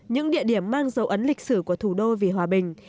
những địa điểm mang dấu ấn lịch sử của thủ đô vì hòa bình